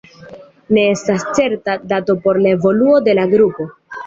Ne estas certa dato por la evoluo de la grupo.